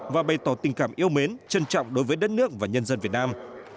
và bày tỏ tình cảm yêu mến trân trọng đối với đất nước và nhân dân việt nam